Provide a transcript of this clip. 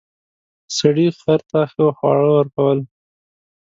سړي خر ته ښه خواړه ورکول.